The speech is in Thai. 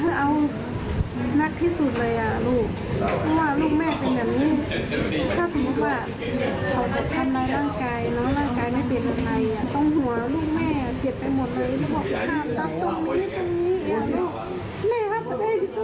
เพราะว่าลูกแม่เป็นแบบนี้ถ้าสมมุติว่า